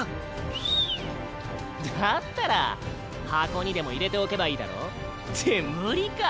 ヒュだったら箱にでも入れておけばいいだろ？って無理か。